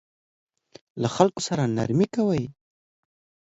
له خلکو سره نرمي کوئ